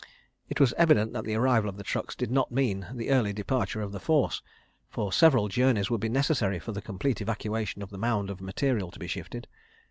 It was evident that the arrival of the trucks did not mean the early departure of the force, for several journeys would he necessary for the complete evacuation of the mound of material to be shifted.